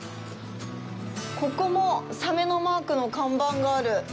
ここも、サメのマークの看板がある。